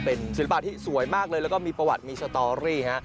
เป็นศิลปะที่สวยมากเลยแล้วก็มีประวัติมีสตอรี่ฮะ